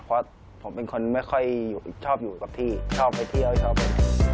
เพราะผมเป็นคนไม่ค่อยชอบอยู่กับที่ชอบไปเที่ยวชอบไป